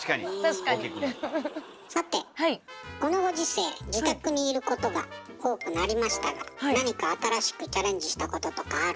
さてこのご時世自宅にいることが多くなりましたが何か新しくチャレンジしたこととかある？